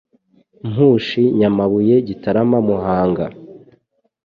Mpushi Nyamabuye Gitarama Muhanga